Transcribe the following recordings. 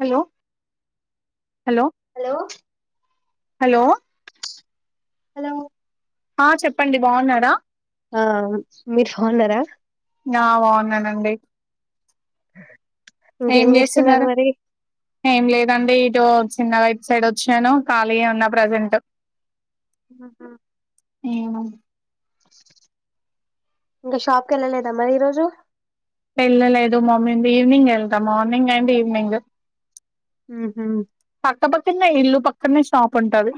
Hello hello hello hello ఆ చెప్పండి బాగున్నాడా ఆ మీరు ఫోన్నారా నా బాగున్నానండి ఇంకేం ఏం చేస్తున్నారు మరి ఏం లేదండి ఇరో చిన్న వైపు సైడ్ వచ్చాను ఖాళీ ఉన్నా ప్రజెంట్ ఆ ఏ ఇంకా షాప్కి వెళ్ళలేదా మరి ఈ రోజు పెళ్ళలేదు మమ్మీ ఈవనింగ్ వెళ్తాం మార్నింగ్ అండ్ ఈవనింగ్ ఆహ ఇల్లు పక్క సాపంటారు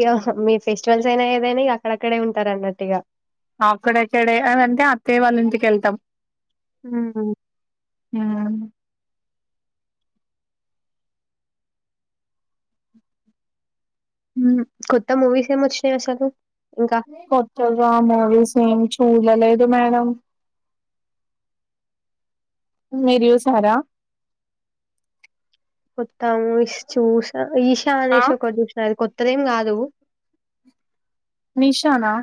ఇక మీ ఫెస్టివల్స్ అయినా ఏదైని అక్కడక్కడే ఉంటారు అన్నట్టుగా అక్కడెక్కడే అంటే అత్తయ వాళ్ళ ఇంటికెళ్తాం హ అ కొత్త మూవీస్ ఏముచ్చినయి వసలు కొత్తజా మరిసంగ్ చూ ఏదు మేడం మరు యుసారా కొత్తాము ఇ చూసా ఈశా ఆ అనేష ఒక దూసయి కొ ఇత్రం కాగాదువు నిషానా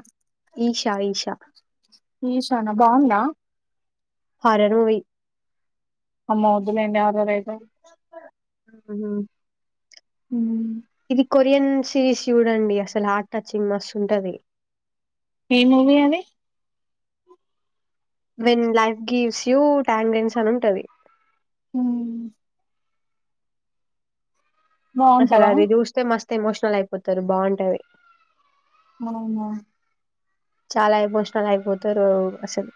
ఈషా ఈషా ఈశానా బాగున్నా హారర్ మయి అమ్మ ఉదులేంది యాదో రఐతే హ్మ్ హ్మ్ ఇది కొరియన్ సిరీస్ చూడండి అసలు హార్ట్ టచింగ్ మస్త్ ఉంటది. ఏ మూవీ అండి when life gives you tangerines అని ఉంటుంది. ఉ అసలు బాగుంటదా అది చూస్తే మస్త్ ఎమోషనల్ అయిపోతారు బాగుంటాంది మనం ఉన్న చాలా ఏమోషనాలు అయిపోతారు అసలు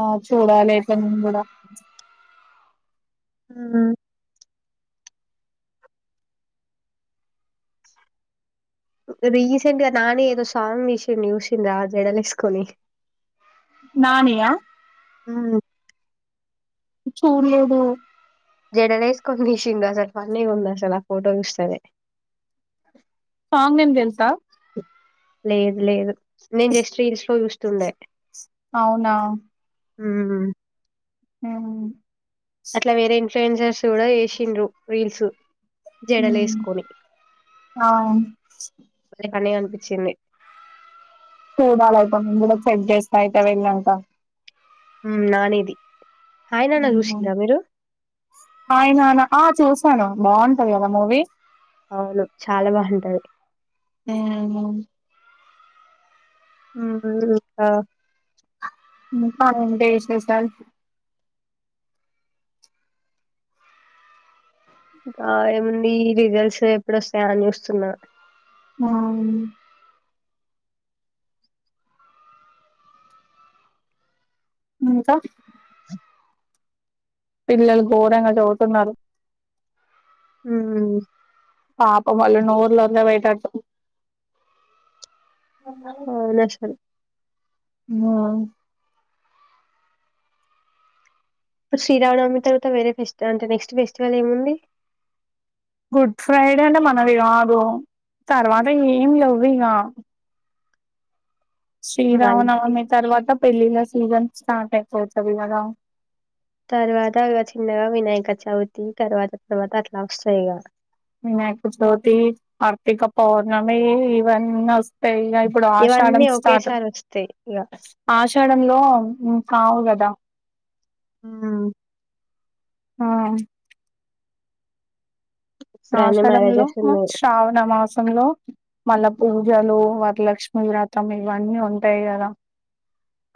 ఆ చూడాలి ఎట్లా ముగడ కూడా ఉ రీసెంట్ గా నాని ఏదో సాంగ్ తీసిడు చూసిండ్ల జడలేసుకొని. నాని యా హ్మ్ చూడ లేదు. జడలే వేసుకొని తీసిండు అసలు ఫన్నీ ఉంది. అసలు ఆ ఫోటో చూస్తనే. సాంగ్ నేమ్ తెలుసా. లేదు లేదు. నేను జస్ట్ రిల్స్ లో చూసా. ఉండే. అవునా. ఉ ఆ అట్లా వేరేంటి. ట్రెంజర్స్ కూడా చేసిండ్రు రీల్స్. ఉ జడలేసుకొని అవును. భలే ఫన్నీగా అనిపించింది. చూడాలయితే మేము కూడా చెక్ చేస్తా అయితే వెళ్ళినంక. నానిది. హాయ్ నాన్న చూసిండ్రా మీరు హాయ్ నాన్న ఆ చూసి చూస్తాను బాగుంటది కదా మూవీ. అవును చాలా బాగుంటది. ఉ హు ఉమ్, ఇంకా ఇంకా ఏంటి విశేషాలు. ఆ ఏముంది రిజల్ట్స్. ఎప్పుడ వస్తా అని చూస్తున్నా. అవునా. ఇంకా. పిల్లలు ఘోరంగా చదువుతున్నారు. ఉ పాపం వాళ్ల నోర్ళ్లంతా పోయేటట్టు. పొమ్మని వదిలేస్తారు. మ్మ శ్రీరామనవమి తర్వాత వేరే ఫెస్టివల్ఫెస్ అంటే నెక్స్ట్ ఫెస్టివల్ ఏముంది గుడ్ ఫ్రైడే అంటె మనది కాదు తర్వాత ఏమి లేవు ఈగ మళ్ళీ శ్రీరామనవమి తర్వాత పెళ్ళిళ్ళ ఈగల్ స్టాక్ అయిపోతది కదా తర్వాత చిన్నగా వినాయక చవితి తర్వాత తర్వాత అట్లా వస్తాయి ఇగ మేక తోటి ఆర్థికం పౌర్ణమి ఇవన్నీ వస్తా ఈగ ఇప్పుడు ఆషాడం ఇవన్నీ స్టార్ట్ ఒకేసారి వస్తాయి ఇగ ఆష ఆషాడంలో కావు కదా ఉమ్ ఆహ్ ఇప్పుడన్ని ఆషాడంలో మ్యారేజెస్ ఉన్నాయి శ్రావణ మాసం సంలో మళ్ళా పూజలు వరలక్ష్మి వ్రతం ఇవన్నీ ఉంటాయి కదా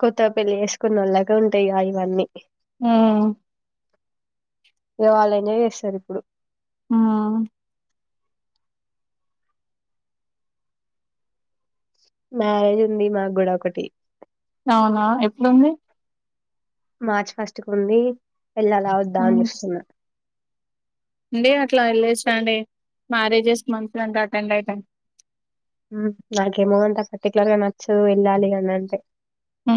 కొత్తగ పెళ్లి చేసుకున్నొలకు ఉంటాయి ఇగ ఇవన్నీ ఉహ్ ఇగ వాళ్ళు ఎంజాయ్ చేస్తరు ఇప్పుడు ఉహ్ మ్యారేజ్ ఉంది మాకు కూడా ఒకటి అవునా ఎప్పుడుంది మార్చి ఫస్ట్ కు ఉంది ఎల్లాల వద్దా అని చూస్తున్న లేదు అట్లా వెళ్లేసిరండి మ్యారేజెస్ మంచిదంట అటెండ్ అయితే నాకేమో అంతా పర్టికులర్ గా నచ్చదు వెళ్ళాలి అని అంటే ఉ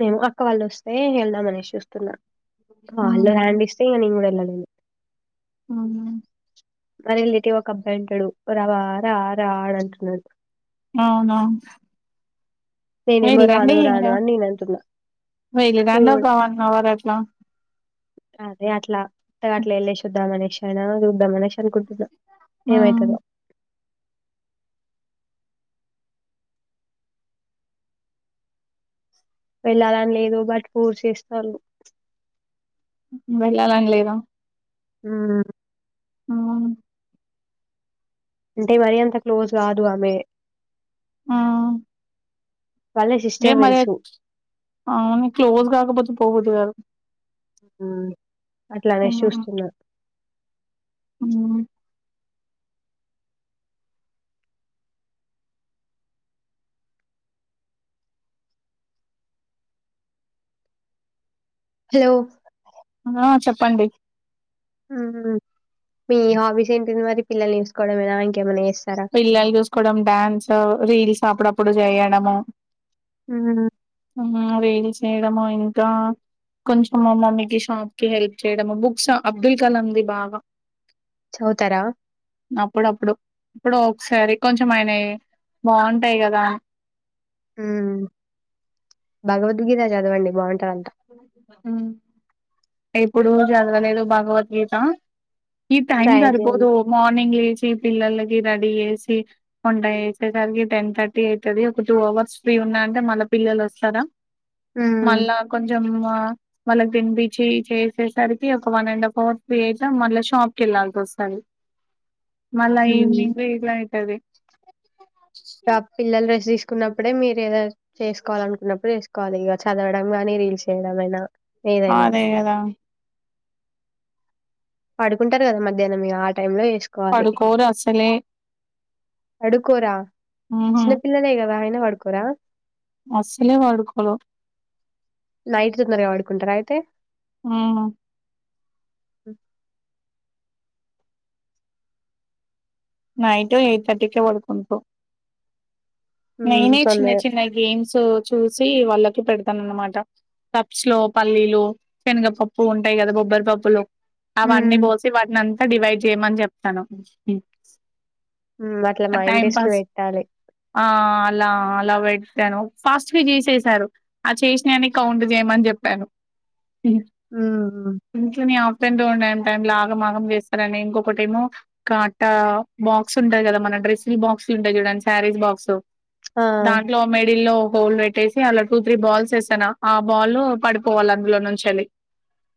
మేము అక్క వాళ్ళు వస్తే వెళ్దామనేసి చూస్తున్నా వాళ్ళు మ్మ్ హ్యాండ్ ఇస్తే నేను కూడా వెళ్ళను ఉం అవున మా రిలేటివ్ ఒక అబ్బాయింటడు రా రా రా అంటున్నాడు అవునవును నేనేమో వెళ్ళండి రాను ఇంగ రాను అని నేనంటున్నా. వెళ్లి రండి చూడు ఒక వన్ అవర్ అట్లా అదే అట్లా అట్లా ఎల్లేషిఓద్దం అనేసి అయినా చూద్దామనేసి అనుకుంటున్నా హ్మ్. ఏమైతందో వెళ్ళాలని లేదు బట్ ఫోర్స్ చేస్తల్లు వెళ్ళలానీ లేద ఆ ఆ అంటే మరి అంత క్లోజ్ కాదు ఆమె ఆ వాళ్ళ ఏ సిస్టర్ తెలుసు. మరిఅవును క్లోజ్ గాకపోతే పోదు హ్ అట్లానేషి చూస్తున్నా అవునా హలో ఆ చెప్పండి మీ హాబీస్ ఏంటింది మరి పిల్లల్ని చూసుకోవడంమేనా ఇంకేమైనా చేస్ పిల్లల్ని చూసుకోవడం డ్యాన్స్ రీల్స్ అప్పుడప్ ప్పుడు చెయ్యడము ఆ హు వేడి చేయడము ఇంకా కొంచెం మా మమ్మీకి షాప్ కి హెల్ప్ చేయడము బుక్స్ అబ్దుల్ కలాందిి బాగా చదువుతారా? అప్పుడప్పుడు ఒకసారి కొంచం ఆయనా బాగుంటాయి కదా హామ్ భగవద్గీత చదవండి బాగుం ఎప్పుడు చదవ లేదు భాగవద్గీత ఈ టైమ్ ట్రై చేయండి. సరిపోదు మార్నింగ్ లేచి పిల్లలకి రెడీ చేసి వంట చేసేసరికి టెన్ థర్టీ అయితది ఒక టూ అవర్స్ ఫ్రీ ఉన్నా అంటే మళ్ళ పిల్లలు వస్తారా హుమ్ మళ్ళా కొంచెం వాళ్ళకి తినిపించి చేసేసరికి ఒక one and half hour free అయిత మళ్ళ షాప్ కి వెళ్ళాల్సి వస్తాది మళ్ళా హ్మ్. ఈవ్నింగ్ ఇల అయితది గ పిల్లల్ రెస్ట్ తీస్ కున్నప్పుడే మీరు ఏదో చేసుకోవాలి అనుకున్నప్పుడు చేేసుకోవాలి ఇగ చదవడం గాని రీల్స్ చేయడంమయినా అదే కదా పడుకుంటారు కదా మధ్యాహ్నం ఇగ అడ్ టైం లో చేసుకోవాలి పడుకోరు అసలే అడుకోరా ఉహు చిన్న పిల్లలే కదా ఆయ్ వాడుకోర అసలే వడుకోలు నైట్ తొందరగా పడుకుంటారా అయితే ఆ నైట్ ఎయిట్ థర్టీ కే పడుకుంట్రూ హ్మ్. నేనే చిన్న తొందరగా. చిన్న గేమ్స్ చూసి వాళ్ళ పెడతానన్నమాట కబ్స్ లో పల్లీలు సేనగపప్పు ఉంటాయి కదా బొబ్బరి పప్పులు ఆ వన్ని హ్మ్. బోసి వాటీనన్ డివైడ్ చేయమని చెప్తాను అట్ల మా టైం ఇంటెస్ట్ లో పాస్ పెట్టాలి ఆ అలా అలా పెట్టాను ఫాస్ట్ గా చేసేసారు ఆ చేసినవన్ని కౌంట్ చేయమని చెప్పాను హ్మ్ హ్మ్. ఇంకేమి పెంతో ఉ ట టైంలో ఆగం ఆగం చేస్తారని ఇంకొక టేమో కాటా బాక్స్ ఉంటాయి కదా మన డ్రెస్ంగ్ బాక్స్లు ఉంటాయి చూడండి శారీస్ బాక్స్ ఆ! దాంట్లో మేడిల్లో గోల్డ్ పెట్టేసి అలా టూ త్రీ బాల్స్ వేశానా ఆ బాల్ పడిపోవాలి అందులో నుంచి వెళ్ళి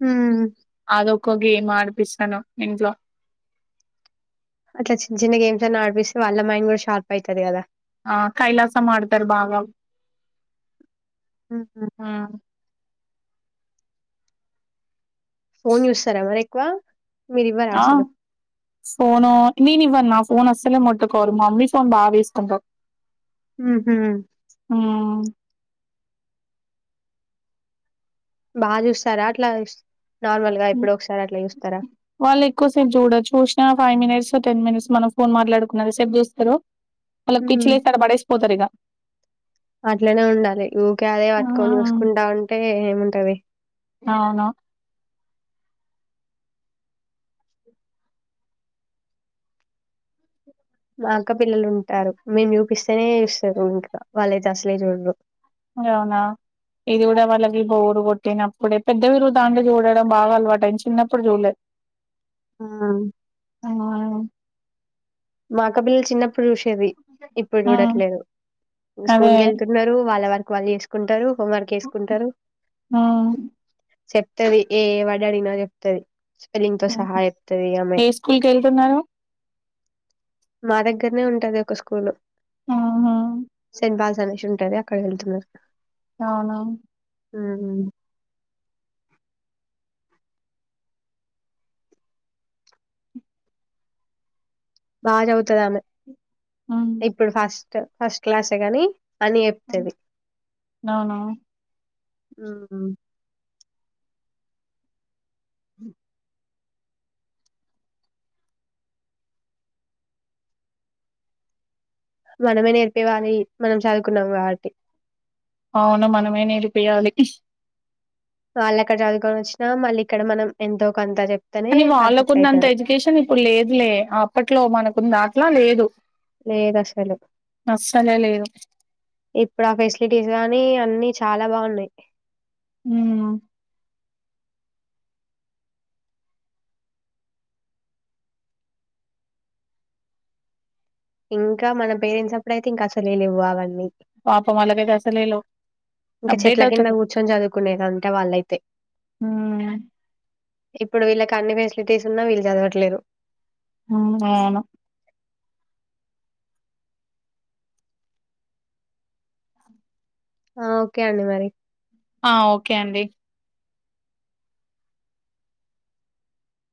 హ్మ్ కుగ గేమ్ అదిపిస్తాను ఇంట్లో ఇట్లా చిన్న చిన్న గేమ్స్ అన్ని ఆడిపిస్తూ వాళ్ళ మైండ్ కూడా షార్ప్ అయితుది కదా ఆ కైలాసం ఆడుతారు భాగం ఉహు ఆ ఫోన్ చూస్తారా మరి ఎక్కువ మీరు ఇవ్వరా ఆ అసలు ఫోనో నేను ఇవ్వను నా ఫోన్ అసలే ముట్టుకోరు మా మమ్మీ ఫోన్ బాగా తీసుకుంటారు ఉహూ మ్ బాగా చూస్తారా అట్లా నార్మల్ గా ఎప్పుడో ఒకసారి అట్లా చూస్తారా వాళ్ళు ఎక్కువసేపు చూడ చూసినా ఫైవ్ మినిట్స్ టెన్ మినిట్స్ మనం ఫోన్ మాట్లాడుకున్న అంతసేపు చూస్తారు వాళ్ళకి ఉమ్ పిచ్చిలేసి ఆడ పడేసి పోతారు ఇక అట్లనే ఉండాలి ఊకే అదే పట్టుకొని హ్మ్. చూసుకుంటా ఉంటే ఏ ఏం ఉంటది అవునా మా అక్క పిల్లలు ఉంట టారు మీరు చూపిస్తేనే చూస్తారు ఇంకా వాళ్ళ అయితే అస్లే చూడరు అవునా ఇది కూడా వాళ్ళకి బోరు కొట్టినప్పుడే పెద్దవిరు దాంలో చూడడం బాగా అలవాటు అని చిన్నప్పుడు చూడలేదు ఆ ఆ మా అక్క పిల్లలు చిన్నప్పుడు చూసి చెవి ఇప్పుడు ఆ చూడట్లేదు అదే స్కూల్కి వెళ్తున్నారు వాళ్ళ వర్ వాళ్ళు చేసుకుంటారు హోంవర్క్ చేసుకుంటారు ఆ చెప్తది ఏ వర్డు అడిగినా చెప్తాది స్పెల్లింగ్ తో హ్మ్. సహా చెప్తాది ఇక ఆమె ఏ స్కూల్ కెళ్తున్నారు మా దగ్గరనే ఉంటది ఒక స్కూలు అవును ఎంతల్స్ అనేసి ఉంటది అక్కడికి వెళ్తున్నారు అవునా ఉమ్ బాగా చదువుతాది ఆమె ఇప్పుడు ఫస్ట్ స్ట్ ఫస్ట్ క్లాస్ ఏ గాని అని చెప్తది అవునా ఉమ్ ఉ మనమే నేర ఇవ్వాలి మనం చావ్ కులవాటి అవును మనమే నేర్పియ్యాలి వాళ్ల అక్కడ చదువుకోవచ్చు అని వాళ్లకు పర్ఫెక్ట్ ఉన్నంత అయితారు ఎడ్యుకేషన్ ఇప్పుడు లేదులే అప్పట్లో మనకుంది అట్లా లేదు డు లేదు అసలే లేదు ఇప్పుడు ఆ ఫెసిలిటీస్ కానీ అన్ని చాలా బాగున్నాయి ఉమ్ ఇంకా మనం పేరెంట్స్ అప్పుడు అయితే ఇంకా అసలే లేవు అవన్నీ పాపం వాళ్ళకైతే అసలే లో ఇంకా అప్డేట్ చెట్ల కింద అవుతుంది కూర్చుని చదువుకునేదంట వాళ్ళైతే ఉమ్ ఇప్పుడు వీళ్ళకి కాన్ని ఫెసిలిటీస్ ఉన్న వీళ్ళు చదవట్లేదు ఉమ్ అవును ఆ ఓకే అండి మరి ఆ ఓకే అండి